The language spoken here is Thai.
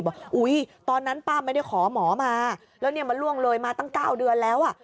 อุ๊ยตอนนั้นป้าไม่ได้ขอหมอมาแล้วเนี่ยมันล่วงเลยมาตั้ง๙เดือนแล้วอ่ะ